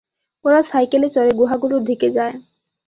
ওরা সাইকেলে চড়ে গুহাগুলোর দিকে যায়।